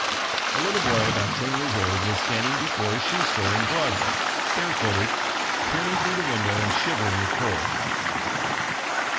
A little boy about ten years old was standing before a shoe store in Broadway barefooted, peering through the window, and shivering with cold.